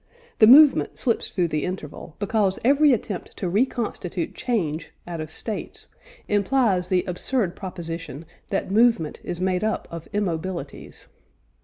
The movement slips through the interval, because every attempt to reconstitute change out of states implies the absurd proposition that movement is made up of immobilities."